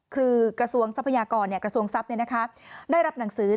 คือกระทรวงทรัพยากรกระทรวงทรัพย์ได้รับหนังสือ